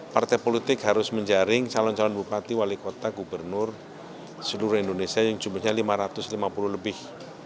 partai politik harus menjaring calon calon bupati wali kota gubernur seluruh indonesia yang jumlahnya lima ratus lima puluh lebih